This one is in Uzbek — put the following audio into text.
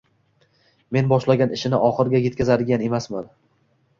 Men boshlagan ishini oxiriga yetkazadigan emasman..